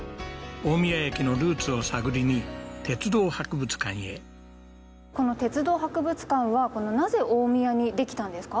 大宮駅のルーツを探りに鉄道博物館へこの鉄道博物館はなぜ大宮にできたんですか？